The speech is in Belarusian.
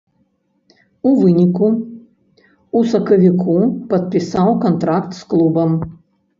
У выніку, у сакавіку падпісаў кантракт з клубам.